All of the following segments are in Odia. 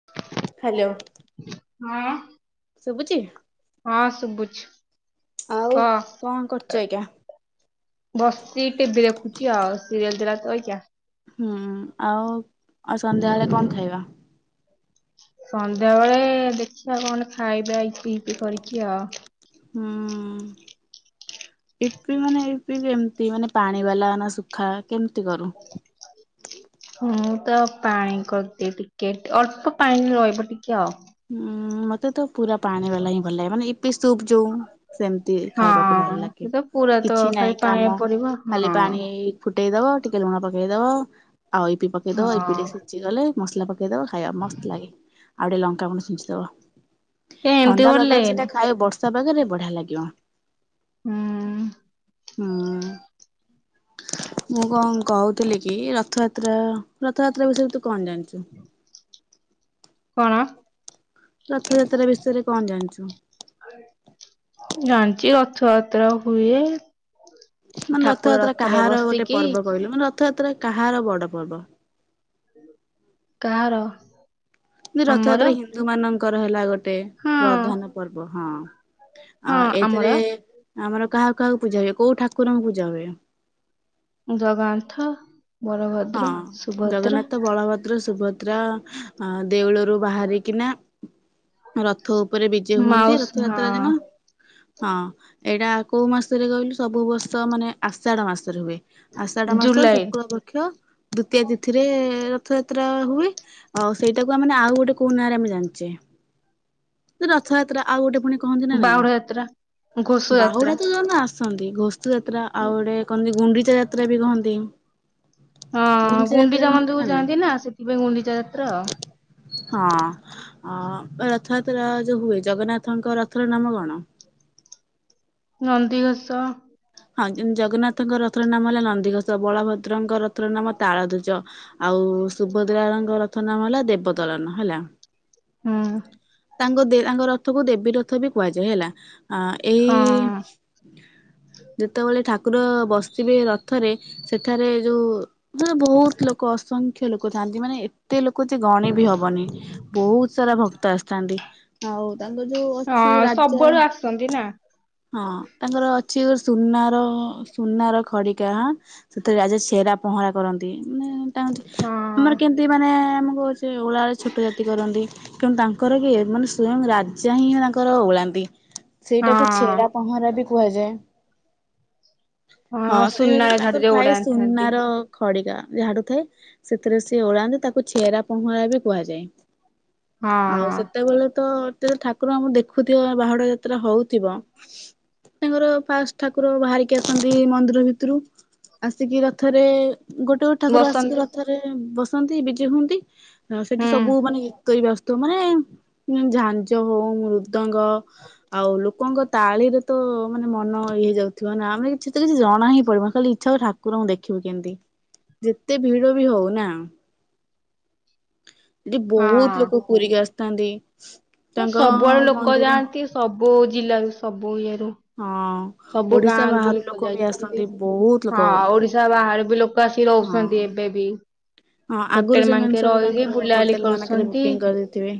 [inaudible] ହ୍ୟାଲୋ ହଁ ଶୁଭୁଛି? ହଁ ଶୁବୁଛି। ଆଉ କଣ କରୁଛ ଏଇକାଁ? ବସିଚି ଟିଭି ଦେଖୁଛି ଆଉ ସିରିଏଲ ଦେଲା ତ ଏଇଙ୍କା। ହୁଁ ଆଉ ଆଉ ସନ୍ଧ୍ୟାବେଳେ କଣ ଖାଇବା? ସନ୍ଧ୍ୟା ବେଳେ-ଏ-ଏ ଦେଖିବା କଣ ଗୋଟେ ଖାଇବା ଇପି ଫିପି କରିକି ଆଉ। ହୁଁ-ଉ-ଉ-ଉ। ଇପି ମାନେ ଇପି କେମିତି ମାନେ ପାଣି ବାଲା ନା ଶୁଖା କେମତି କରୁ? ହଁ [inaudible] ମୁଁ ତ ପାଣି କରିଦିଏ ଟିକେ, ଅଳ୍ପ ପାଣି ରହିବ ଟିକେ ଆଉ। ଉଁ-ଉ-ଉ-ଉ ମତେ ତ ପୁରା ପାଣି ବାଲା ହିଁ ଭଲ ଲାଗେ ମାନେ ଇପି ସୁପ୍ ଯଉ ସେମିତି ଖାଇବାକୁ ଭଲ ହଁ ଲାଗେ, ସେ ତ ପୁରା ତ କିଛି ଖାଲି ନାହିଁ କାମ ପାଣିରେ ପରିବ ଖାଲି ହଁ। ପାଣି-ଇ-ଇ-ଇ ଫୁଟେଇ ଦବ ଟିକେ ଲୁଣ ପକେଇଦବ ଆଉ ଇପି ପକେଇଦବ ହଁ ଇପି ଟିକେ ସିଝି ଗଲେ ମସଲା ପକେଇଦବ ଖାଇବା ମସ୍ତ ଲାଗେ। ଆଉ ଟିକେ ଲଙ୍କା ଗୁଣ୍ଡ ଛିଞ୍ଚିଦବ। ଏ ଏମିତି ଥଣ୍ଡା ଭଲ ପାଗରେ ଲାଗେନି ସେଟା ଖାଇବ ବର୍ଷା ବାଗରେ ବଢିଆ ଲାଗିବ। ହୁଁ ହୁଁ-ଉ-ଉ। ମୁଁ କଣ କହୁଥିଲି କି ରଥଯାତ୍ରା ରଥଯାତ୍ରା ବିଷୟରେ ତୁ କଣ ଜାଣିଛୁ? କଣ? ରଥଯାତ୍ରା ବିଷୟରେ କଣ ଜାଣିଛୁ? ଜାଣିଛି ରଥଯାତ୍ରା ହୁଏ। ମାନେ ଠାକୁର ରଥଯାତ୍ରା ରଥରେ କାହାର ଗୋଟେ ବସିକି ପର୍ବ କହିଲୁ? ମାନେ ରଥଯାତ୍ରା କାହାର ବଡ ପର୍ବ? କାହାର? ଆମର ରଥଯାତ୍ରା ହିନ୍ଦୁ ମାନଙ୍କର ହେଲା ଗୋଟେ ହଁ। ପ୍ରଧାନ ପର୍ବ। ହଁ। ହଁ ଆଉ ଆମର ଏଇଥିରେ-ଏ-ଏ ଆମର କାହାକୁ କାହାକୁ ପୂଜା ହୁଏ, କୋଉ ଠାକୁରଙ୍କୁ ପୂଜା ହୁଏ? ଜଗାଆନ୍ଥ। ହଁ ଜଗନ୍ନାଥ, ବଳଭଦ୍ର, ସୁଭ୍ ଅଦ୍ରା ଆ ଦେଉଳରୁ ବାହାରିକିନା ର ଥ ଉପରେ ବିଜେ ହୁଅନ୍ତି ମାଉସ ରଥଯାତ୍ରା ଦିନ। ହଁ ହଁ ଏଇଟା କୋଉ ମାସରେ କହିଲୁ ସବୁ ବର୍ଷ ମାନେ ଆଷାଢ ମାସରେ ହୁଏ। ଆଷାଢ ମାସ ଜୁଲାଇ ଶୁକ୍ଳ ପକ୍ଷ ଦ୍ଵିତୀୟା ତିଥିରେ-ଏ-ଏ-ଏ ରଥଯାତ୍ରା ହୁଏ। ଆଉ ସେଇଟାକୁ ଆ ମାନେ ଆଉ ଗୋଟେ କୋଉ ନାଁରେ ଆମେ ଜାଣିଛେ ର ରଥଯାତ୍ରା ଆଉ ଗୋଟେ ପୁଣି କହନ୍ତି ନା ନାଇଁ। ବାହୁଡା ଯାତ୍ରା ଘୋଷ ଯାତ୍ରା ବାହୁଡା ତ [unintelligible] ସନ୍ଦି ଘୋଷ ଯାତ୍ରା ଆଉ ଗୋଟେ କହନ୍ତି ଗୁଣ୍ଡିଚା ଯାତ୍ରା ବି କହନ୍ତି। ହଁ ଗୁଣ୍ଡିଚା ଯାତ୍ରା ଗୁଣ୍ଡିଚା-ଆ-ଆ କହନ୍ତି ମନ୍ଦିରକୁ ନାଇଁ ଯାଆନ୍ତି ନା ସେଥିପାଇଁ ଗୁଣ୍ଡିଚା ଯାତ୍ରା ଆଉ। ହଁ ଅ ରଥଯାତ୍ରା ଯୋଉ ହୁଏ ଜଗନ୍ନାଥଙ୍କ ରଥର ନାମ କଣ? ନନ୍ଦିଘୋଷ। ହଁ ଜଗନ୍ନାଥଙ୍କର ରଥର ନାମ ହେଲା ନନ୍ଦିଘୋଷ, ବଳଭଦ୍ରଙ୍କର ରଥର ନାମ ତାଳ ଧ୍ୱଜ ଆଉ ସୁଭଦ୍ରାଳଙ୍କର ରଥ ନାମ ହେଲା ଦେବଦଳନ ହେଲା। ହୁଁ। ତାଙ୍କ ଦେ ତାଙ୍କ ରଥକୁ ଦେବୀ ରଥ ବି କୁହାଯାଏ ହେଲା ଆ-ଆ ହଁ ଏଇ-ଇ-ଇ-ଇ ଯେତେବେଳେ ଠାକୁର-ଅ ବସି ଥିବେ ରଥରେ ସେଠାରେ ଯୋଉ-ଉ-ଉ ଠାରେ ବହୁତ ଲୋକ ଅସଂଖ୍ୟ ଲୋକ ଥାଆନ୍ତି ମାନେ ଏତେ ଲୋକ ଯେ ଗଣି ବି ହବନି ବହୁତ ସାରା ଭକ୍ତ ଆସିଥାନ୍ତି, ଆଉ ତାଙ୍କ ଯୋଉ ଅଛି ହଁ ରାଜା ସବୁଆଡୁ ଆସନ୍ତି ନା ହଁ ତାଙ୍କର ଅଛି [unintelligible] ସୁନା-ଆ-ଆର ସୁନାର ଖଡିକା-ଆ ସେଥିରେ ରାଜା ସେରା ପହଁରା କରନ୍ତି ମାନେ-ଏ-ଏ ତା ହଁ ଆମର କେମିତି ମାନେ-ଏ-ଏ ଆମକୁ କହୁଛି ଓଳା ଓଳି ଛୋଟ ଜାତି କରନ୍ତି ତେଣୁ ତାଙ୍କର କିଏ ମାନେ ସ୍ଵୟଂ ରାଜା ହିଁ ତାଙ୍କର ଓଳାନ୍ତି। ସେଇଟାକୁ ହଁ ଛେରା ପହଁରା ବି କୁହାଯାଏ। ହଁ ସେ ସୁନାର ତାଙ୍କର ଝାଡିରେ ଥାଏ ଉଡାଣିଥାନ୍ତି ସୁନାର ଖଡିକା ଝାଡୁ ଥାଏ ସେଥିରେ ସିଏ ଓଳାାନ୍ତି ତାକୁ ଛେହରା ପହଁରା ବି କୁହାଯାଏ। ଆଉ ହଁ ସେତେବେଳେ ତ ଯେତେବେଳେ ଠାକୁର ଆମର ଦେଖୁଥିବ ବାହାଡା ଯାତ୍ରା ହଉଥିବ ତାଙ୍କର ଫାଷ୍ଟ ଠାକୁର ବାହାରିକି ଆସନ୍ତି ମନ୍ଦିର ଭିତରୁ ଆସିକି ରଥରେ ଗୋଟେ ଗୋଟେ ଠାକୁର ଆସିକି ବସନ୍ତି ରଥରେ ବସନ୍ତି ବିଜେ ହୁଅନ୍ତି ଆ ସେଠି ହୁଁ ସବୁ ମାନେ ଗୀତ ବାସ ଗୀତ ମାନେ ଝାଞ୍ଜ ହଉ ମୃଦଙ୍ଗ ଆଉ ଲ ଲୋକଙ୍କ ତାଳିରେ ତ ମାନେ ମନ ଇଏ ଯାଉଥିବ ନା ଆମେ କିଛି ତ କିଛି ଜଣା ହିଁ ପଡିବନି ଖାଲି ଇଛା ହୁଏ ଠାକୁରଙ୍କୁ ଦେଖିବୁ କେମତି। ଯେତେ ଭିଡ ବି ହଉ ନା। ଏଠି ବହୁତ ଲୋକ ପୁରିକି ଆସିଥାନ୍ତି। ହଁ ତାଙ୍କ ସବୁଆଡୁ ଲୋକ ମନ୍ଦିର ଯାଆନ୍ତି ସବୁ ଜିଲ୍ଲାରୁ ସବୁ ଇଏ ରୁ ହଁ। ସବୁ ଗାଁ ଓଡିଶା ରୁ ବି ବାହାରୁ ଲୋକ ଯାଇଥାନ୍ତି ଆସନ୍ତି ବହୁତ ଲୋକ ହଁ ଓଡିଶା ବାହାରେ ବି ଲୋକ ଆସି ହଁ। ରହୁଛନ୍ତି ଏବେ ବି ହଁ ଆଗରୁ ହୋଟେଲ ସେମାନେ ମାନଙ୍କେ ସବୁ ରହିକି ତାଙ୍କର ବୁଲାବୁଲି ହୋଟେଲ ମାନଙ୍କରେ କରୁଛନ୍ତି। ବୁକିଂ କରିଦେଇଥିବେ।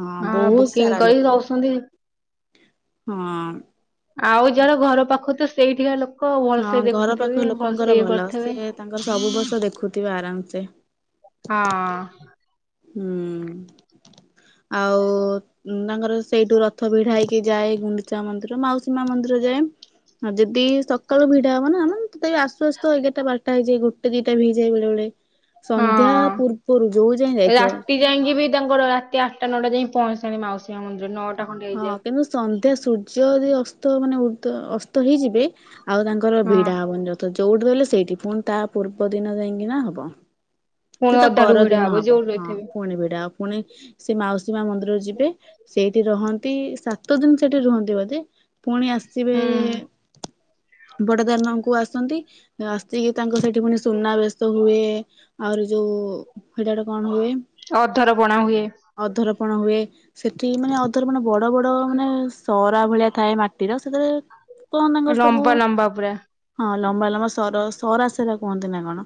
ହଁ ବହୁତ ବୁକିଂ ସାରା କରି ଲୋକ ରହୁଛନ୍ତି। ହଁ। ଆଉ ଯାହାର ଘର ପାଖରୁ ତ ସେଇଠିକା ଲୋକ ହଁ ଭଲସେ ଘର ପାଖ ଦେଖୁଥିବେ ଲୋକଙ୍କର ଭଲସେ ଇଏ ଭଲ ସେ କରିଥିବେ। ତାଙ୍କର ସବୁ ବର୍ଷ ଦେଖୁଥିବେ ଆରାମସେ ହଁ। ହୁଁ ଆଉ ଉ ତାଙ୍କର ସେଇଠୁ ରଥ ଭିଡା ହେଇକି ଯାଏ ଗୁଣ୍ଡିଚା ମନ୍ଦିର ମାଉସୀମା ମନ୍ଦିର ଯାଏ। ହଁ ଯଦି ସକାଳୁ ଭିଡା ହବ ନା ଆନାମ୍। ତଥାପି ଆସୁ ଆସୁ ଏଗାରଟା ବାର୍ଟା ହେଇଯଏ ଗୋଟେ ଦିଟା ବି ହେଇଯଏ ବେଳେ ବେଳେ ସନ୍ଧ୍ୟା ପୂର୍ବରୁ ଯୋଉ ଯାଏ ଯାଇ ହେଟିଯାଇଁକି ବି ତାଙ୍କର ରାତି ଆଠଟା ନଅଟା ଯାଇ ପହଞ୍ଚିଲଣି ମାସୀ ମନ୍ଦିର ନଅ ହଁ କିନ୍ତୁ ସନ୍ଧ୍ୟା ସୂର୍ଯ୍ୟ ଯଦି ଅସ୍ତ ମାନେ ଉର୍ଦ୍ଧ ଅସ୍ତ ହେଇଯିବେ ଆଉ ତାଙ୍କର ହଁ ଭିଡ଼ା ହେବନି ରଥ ଯୋଉଠି ରହିଲେ ସେଇଠି ପୁଣି ତା ପୂର୍ବ ଦିନ ଯାଇକିନା ହବ। ତ ପୁଣି ତା ଅଧାରୁ ଭିଡା ପରଦିନ ହବ ଯୋଉଠି ହଁ ରହିଥିବେ। ପୁଣି ଭିଡା ହବ। ପୁଣି ସେ ମାଉସୀ ମା ମନ୍ଦିର ଯିବେ ସେଇଠି ରହନ୍ତି ସା ସାତ ଦିନ ସେଠି ରୁହନ୍ତି ବୋଧେ ପୁଣି ଆସିବେ ହୁଁ ବଡଦାଣ୍ଡ ଙ୍କୁ ଆସନ୍ତି ଆସିକି ତାଙ୍କ ସେଠି ପୁଣି ସୁନାବେେଶ ହୁଏ। ଆହୁରି ଯୋଉ ଦିଡାଡ଼େ କଣ ହୁଏ? ଅଧର ପଣା ହୁଏ ଅଧରପଣ ହୁଏ ସେଠି ମାନେ ଅଧରପଣେ ବଡ ବଡ ମାନେ ସରା ଭଳିଆ ଥାଏ ମାଟିର ସେଥିରେ କଣ ତାଙ୍କର ସବୁ ଲମ୍ବା ଲମ୍ବା ପୁରା ହଁ ଲମ୍ବା ଲମ୍ବା ସର ସରା ସେରା କୁହନ୍ତି ନା କଣ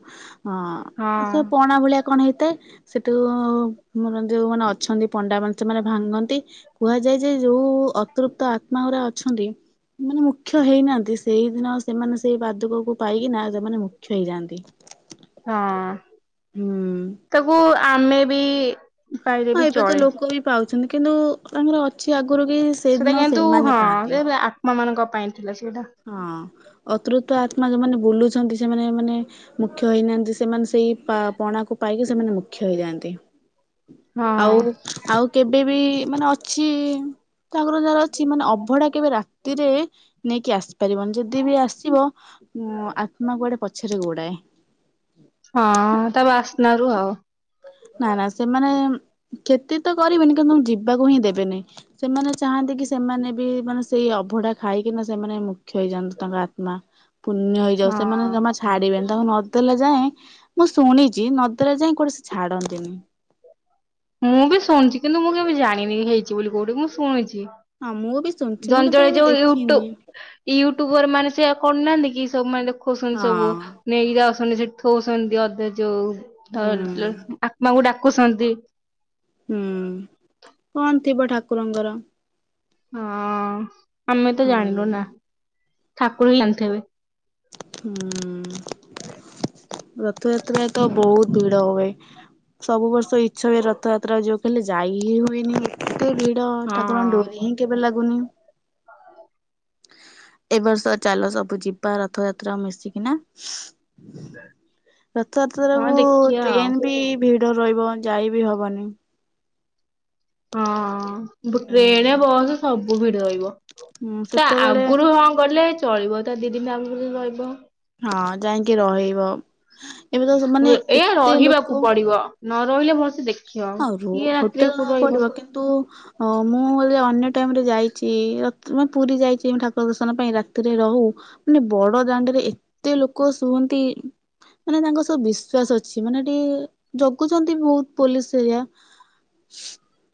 ହଁ ସେ ପଣା ଭଳିଆ କଣ ହେଇଥାଏ ସେଠୁ ଆମର ଯୋଉମାନେ ଅଛନ୍ତି ପଣ୍ଡା ମାନ ସେମାନେ ଭାଙ୍ଗନ୍ତି କୁହାଯାଏ ଯେ ଯୋଉ ଅତୃପ୍ତ ଆତ୍ମା ଉରା ଅଛନ୍ତି ମାନେ ମୁଖ୍ୟ ହେଇନାହାନ୍ତି ସେଇଦିନ ସେମାନେ ସେଇ ପାଦୁକକୁ ପାଇକିନା ସେମାନେ ମୁଖ୍ୟ ହେଇଯାଆନ୍ତି। ହଁ ହୁଁ ତାକୁ ଆମେ ବି ପାଇଲେ ହଁ ବି ଏବେ ତ ଚଳେ। ଲୋକ ବି ପାଉଚନ୍ତି କିନ୍ତୁ ତାଙ୍କର ଅଛି ଆଗରୁ କି ସେଇଟା ସେଇଦିନ କିନ୍ତୁ ସେମାନେ ହଁ ପାଆନ୍ତି। ସେ ଆତ୍ମା ମାନଙ୍କ ପାଇଁ ଥିଲା ସେଇଟା। ହଁ ଅତ୍ରୁତ ଆତ୍ମା ଯୋଉମାନେ ବୁଲୁଛନ୍ତି ସେମାନେ ମାନେ ମୁଖ୍ୟ ହେଇନାହାନ୍ତି ସେମାନେ ସେଇ ପା ପଣାକୁ ପାଇକି ସେମାନେ ମୁଖ୍ୟ ହେଇଯାଆନ୍ତି। ଆଉ ହଁ ଆଉ କେବେ ବି ମାନେ ଅଛି ତାଙ୍କର ଯାାର ଅଛି ମାନେ ଅଭଡା କେବେ ରାତିରେ ନେଇକି ଆସି ପାରିବନି ଯଦି ବି ଆସିବ ଉ ଆତ୍ମା କୁଆଡେ ପଛରେ ଗୋଡାଏ। ହଁ ତା ବାସ୍ନାରୁ ଆଉ ନା ନା ସେମାନେଉଁ କ୍ଷତି ତ କରିବେନି କିନ୍ତୁ ଯିବାକୁ ହିଁ ଦେବେନି। ସେମାନେ ଚାହାନ୍ତି କି ସେମାନେ ବି ମାନେ ସେଇ ଅଭଡା ଖାଇକିନା ସେମାନେ ମୁଖ୍ୟ ହେଇଯାଆନ୍ତି ତାଙ୍କ ଆତ୍ମା। ପୁଣ୍ୟ ହେଇଯାଉ ସେମାନେ ହଁ। ଜମାଛା ଛାଡିବେନି ତାଙ୍କୁ ନଦଲା ଯାଏଁ ମୁଁ ଶୁଣିଛି ନଦେଲା ଯାଏ କୁଆଡେ ସେ ଛାଡନ୍ତିନି। ମୁଁ ବି ଶୁଣୁଛି କିନ୍ତୁ ମୁଁ କେବେ ଜାଣିନି ହେଇଛି ବୋଲି କୋଉଠି ମୁଁ ଶୁଣିଛି। ହଁ ମୁଁ ବି ଶୁଣିଛି ମୁଁ ଜଣେ କିନ୍ତୁ ଜଣେ କେବେ ଯୋଉ ଦେଖିନି ୟୁଟ୍ୟୁବ୍ ୟୁଟ୍ୟୁବର ମାନେ ସେୟା କରୁନାହାନ୍ତି କି ସବୁ ମାନେ ଦେଖଉଛନ୍ତି ସବୁ ହଁ ନେଇ ଯାଉଛନ୍ତି ସେଠି ଥୋଉଛନ୍ତି ଅଧେ ଯୋଉ ତ ହୁଁ। ଆତ୍ମାଙ୍କୁ ଡାକୁଛନ୍ତି। ହୁଁ କଣ ଥିବ ଠାକୁରଙ୍କର। ହଁ ଆମେ ତ ହୁଁ। ଜାଣିନୁ ନା ଠାକୁର ହିଁ ଜାଣିଥିବେ। ହୁଁ ରଥଯାତ୍ରାରେ ତ ବହୁତ ଭିଡ ହୁଏ ସବୁ ବର୍ଷ ଇଚ୍ଛା ହୁଏ ରଥଯାତ୍ରା ଯିବାକୁ ହେଲେ ଯାଇ ହିଁ ହୁଏନି। ଏତେ ଭିଡ ଠାକୁରଙ୍କ ହଁ। ଡୋରି ହିଁ କେବେ ଲାଗୁନି ଏ ବର୍ଷ ଚାଲ ସବୁ ଯିବାରଥ ରଥଯାତ୍ରା ମିଶିକିନା ରଥଯାତ୍ରାରେ ହଁ ବୁ ଦେଖିଆ ଆଉ ଟ୍ରେନ ବି ଭିଡ ରହିବ ଯାଇ ବିି ହବନି। ହଁ ଟ୍ରେନ୍ ହୁଁ ବସ୍ ସବୁ ଭିଡ ରହିବ ହୁଁ ତା ସେତେବେଳେ ଆଗରୁ ହଁ କଲେ ଚଳିବ ତା ଦି ଦିନ ଆଗରୁ କଲେ ରହିବ। ହଁ ଯାଇକି ରହିବ। ଏବେ ତ ମାନେ ଏୟା ଏତେ ଲୋକ ରହିବାକୁ ପଡିବ ନ ରହିଲେ ଭଲସେ ଦେଖ୍ ଆଉ ରୋ ହୋଟେଲ ନବାକୁ ପଡିବ କିନ୍ତୁ ଓ ମୁଁ ହେଲେ ଅନ୍ୟ ଟାଇମରେ ଯାଇଛି ରଥ ମାନେ ପୁରୀ ଯାଇଛି ଠାକୁର ଦର୍ଶନ ପାଇଁ ରାତିରେ ରହୁ ମାନେ ବଡ ଦାଣ୍ଡରେ ଏତେ ଲୋକ ଶୁଅନ୍ତି। ମାନେ ତାଙ୍କ ସହ ବିଶ୍ଵାସ ଅଛି ମାନେ ଟିକେ ଜଗୁଛନ୍ତି ବହୁତ ପୋଲିସ ସେଇଆ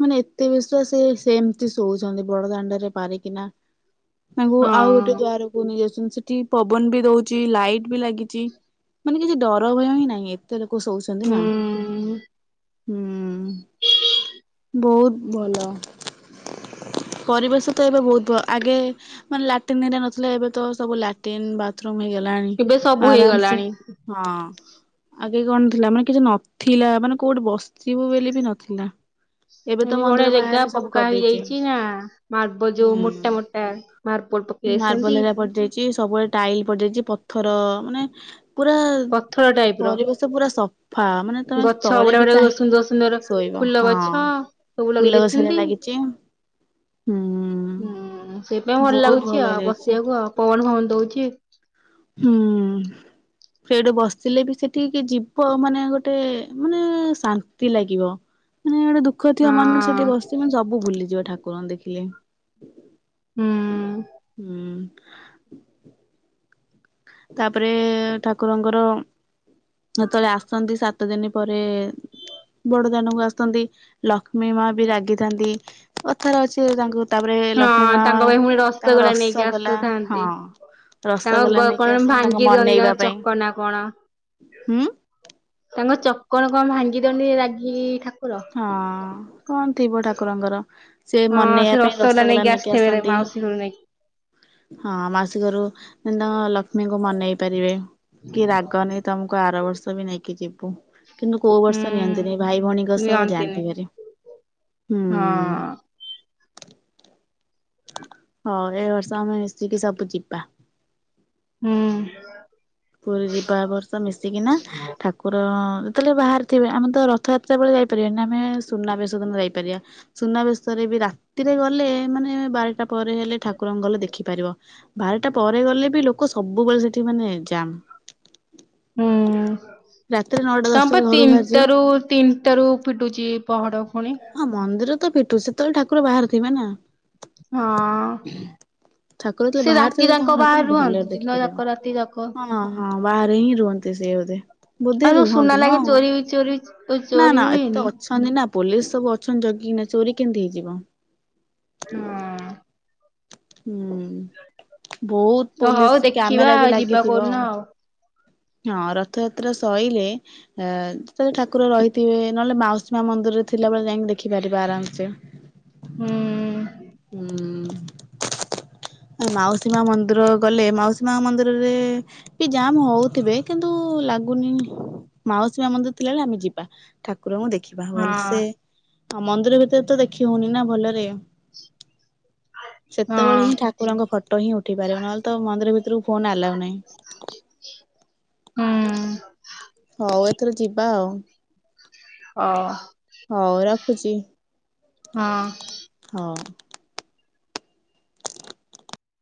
ମାନେ ଏତେ ବିଶ୍ୱାସି ସେମିତି ଶୋଉଛନ୍ତି ବଡ ଦାଣ୍ଡରେ ପାରିକିନା। ତାଙ୍କୁ ଆଉ ଗୋଟେ ହଁ ଦ୍ୱାର କୁ ନେଇଯାଉଛନ୍ତି ସେଠି ପବନ ବି ଦଉଛି ଲାଇଟ୍ ବି ଲାଗିଛି ମାନେ କିଛି ଡର ଭୟ ହିଁ ନାହିଁ ଏତେ ଲୋକ ଶୋଉଛନ୍ତି ନା। ହୁଁ ହୁଁ ବହୁତ ଭଲ। ପରିବେଶ ତ ଏବେ ବହୁତ ଭ ଆଗେ ମାନେ ଲାଟିନ ହେରିକା ନଥିଲା ଏବେ ତ ସବୁ ଲାଟିନ୍ ବାଥରୁମ ହେଇଗଲାଣି ଏବେ ସବୁ ଆରାମ ସେ ହେଇଗଲାଣି। ହଁ ଆଗେ କଣ ଥିଲା ମାନେ କିଛି ନଥିଲା ମାନେ କୋଉଠି ବସି ସିବୁ ବୋଲି ବି ନଥିଲା। ଏବେ ତ ବଢିଆ ମନ୍ଦିର ଜାଗା ବାହାରେ ସବୁ ପକ୍କା କରିଦେଇଛି ହେଇଯାଇଛି ନା ମାର୍ବଲ ଯୋଉ ହୁଁ। ମୋଟା ମୋଟା ମାର୍ବଲ ପକେଇ ଦେଇଛନ୍ତି ମାର୍ବଲ ହେଲା ପଡିଯାଇଛି ସବୁବେଳେ ଟାଇଲ ପଡିଯାଇଛି ପଥର ମାନେ ପୁରା ପଥର ଟାଇପ ର ପରିବେଶ ପୁରା ସଫା ମାନେ ତମେ ଗଛ ତଳେ ଗୁଡା ବି ଗୁଡା ଚାହିଁଲେ ସୁନ୍ଦର ସୁନ୍ଦର ଶୋଇବ ଫୁଲ ହଁ ଗଛ ସବୁ ଫୁଲ ଗଛ ହେରା ଲଗେଇଦେଇଛନ୍ତି। ଲାଗିଛି ହୁଁ। ହୁଁ ସେଇପାଇଁ ଭଲ ବହୁତ ଲାଗୁଛି ଆଉ ହେଇଯାଇଛି ବସିବାକୁ ଆଉ ପବନ ଫବନ ଦଉଛି। ହୁଁ। ସେଡ଼ୁ ବସିଥିଲେ ବି ସେଠିକି ଯିବ ମାନେ ଗୋଟେ ମାନେ ଶାନ୍ତ ଶାନ୍ତି ଲାଗିବ ମାନେ ଗୋଟେ ଦୁଃଖ ଥିବ ହଁ ମନରେ ସେଠି ବସି ସିଏ ମାନେ ସବୁ ଭୁଲିଯିବ ଠାକୁରଙ୍କ ଦେଖିଲେ ହୁଁ ହୁଁ। ତାପରେ ଠାକୁରଙ୍କର ଯେତେବେଳେ ଆସନ୍ତି ସାତ ସାତ ଦିନି ପରେ ବଡ଼ଦାନକୁ ଆସନ୍ତି ଲକ୍ଷ୍ମୀ ମାବି ରାଗିଥାନ୍ତି। କଥାରେ ଅଛି ତାଙ୍କୁ ତାପରେ ଲକ୍ଷ୍ମୀ ହଁ ମା ତାଙ୍କ ପାଇଁ ପୁଣି ତାଙ୍କ ରସଗୋଲା ନେଇକି ରସଗଲା ହଁ। ରସଗୋଲା ନେ କଣ୍ ଭାଙ୍ଗି ଦିଅନ୍ତି ତାଙ୍କ ଚକନା କଣ। ହୁଁ ତାଙ୍କ ଚକଣ କଣ୍ ଭାଙ୍ଗି ଦିଅନ୍ତି ନ୍ତରାଗି ଠାକୁର? ହଁ। କଣ୍ ଥିବ ଠାକୁରଙ୍କର ହଁ ସେ ସେମନେଇବା ପାଇଁ ରସଗୋଲା ନେଇକି ଆସିଥିବେ ଆସନ୍ତି। ମାଉସୀ ଘରୁ ନେଇକି ହଁ ମାସିକରୁ କିତାଙ୍କ ଲକ୍ଷ୍ମୀଙ୍କୁ ମନେଇ ପାରିବେ କିରା ନାଇ ତମକୁ ଆର ବର୍ଷବି ନେଇକି ଯିବୁ କିନ୍ତୁ କୋଉ ହୁଁ ବର୍ଷ ନିଅନ୍ତିନି ଭାଇ ଭଉଣୀଙ୍କ ସ ତ ନିଅନ୍ତିନି। ଯାଆନ୍ତି ଭାରି ହୁଁ। ହଁ ହଅ ଏଇବର୍ଷ ଆମେ ମିଶିକି ସବୁ ଯିବା। ହୁଁ। ପୁରୀ ଜିବା ଏବର୍ଷ ମିଶିକିନା ଠାକୁ ଠାକୁର ଯେତେବେଳେ ବାହାରିଥିବେ ଆମେତ ରଥଯାତ୍ରା ବେଳେ ଯାଇପାରିବାନି ଆମେ ସୁନାବେଶଦିନ ଯାଇପାରିବା। ସୁନାବେଶରେବି ରାତିରେ ଗଲେ ମାନେ ବାରଟା ପରେ ହେଲେ ଠାକୁରଙ୍କୁ ଗଲେ ଦେଖିପାରିବ। ବାରଟା ପରେ ଗଲେବି ଲୋକ ସବୁବେଳେ ସେଠି ମାନେ ଯାମ୍। ହୁଁ ନଅଟା ତମେପା ଦଶଟାରେ ଘରୁ ବାହାରିଯିବ। ତିନିଟାରୁ ତିନ୍ ତିନିଟାରୁ ପିଟୁଛି ପହଡ଼ ଫୁଣି। ହଁ ମନ୍ଦିରତ ଫିଟୁଚି ସେତେବେଳେ ଠାକୁର ବାହାରେ ଥିବେନା। ହଁ। ଠାକୁର ଯେତେବେଳେ ବାହାରେ ସେରାତି ଥିବେ ତାଙ୍କୁ ଯାଙ୍କ ଠାକୁର ବାହାରେ ଭଲରେ ରହନ୍ତି ଦିନ ଦେଖିପାରିବ। ଯାକ ରାତି ଯାକ। ହଁ ହଁ ବାହାରେହିଁ ରୁହନ୍ତି ସିଏ ବୋଧେ। ବୋଧେ ଆଉ ଯୋଉ ସୁନା ରୁହନ୍ତି ହଁ ଲାଗେ ଚୋରି ଚୋରି ନା ଚୋରି ନା ଏତେ ହୁଏନି। ଅଛି ହନ୍ତିନା ପୋଲିସ୍ ସବୁ ଅଛନ୍ତି ଜଗିକିନା ଚୋରି କେମିତି ହେଇଯିବ। ହଁ। ହୁଁ ବହୁତ୍ ହଁ ପୋଲିସ୍ ହଉ ଦେଖିବା କ୍ୟାମେରାବି ଆଉ ଯିବା ଲାଗିଥିବ। କୋଉଦିନ ଆଉ। ହଁ ରଥଯାତ୍ରା ସଇଲେ ଅ ଯେତେବେଳେ ଠାକୁର ରହିଥିବେ ନହେଲେ ମାଉସୀମା ମନ୍ଦିରରେ ଥିଲାବେଳେ ଯାଇକି ଦେଖିପାରିବା ଆରାମସେ। ହୁଁ ହୁଁ। ମାଉସୀମା ମନ୍ଦିର ଗଲେ ମାଉସୀମା ମନ୍ଦିରରେ କି ଜାମ୍ ହଉଥିବେ କିନ୍ତୁ ଲାଗୁନି ମାଉସୀମା ମନ୍ଦିର ଥିଲାବଳେ ଆମେ ଯିବା। ଠାକୁରଙ୍କୁ ଦେଖିବା ହଁ ଭଲସେ ଆଉ ମନ୍ଦିର ଭିତରେ ତ ଦେଖି ହଉନିନା ଭଲରେ। ହଁ ସେତେବେଳେ ହିଁ ଠାକୁରଙ୍କ ଫଟୋ ହିଁ ଉଠି ପାରିବ ନହେଲେତ ମନ୍ଦିର ଭିତରକୁ ଫୋନ୍ ଆଲାଉ ନାହିଁ। ହୁଁ। ହଉ ଏଥର ଯିବା ଆଉ। ହଁ। ହଉ ଉରଖୁଚି ହଁ। ହଁ।